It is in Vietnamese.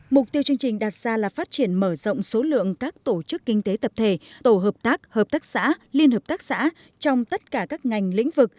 mục tiêu chương trình đạt ra là phát triển mở rộng số lượng các tổ chức kinh tế tập thể tổ hợp tác hợp tác xã liên hợp tác xã trong tất cả các ngành lĩnh vực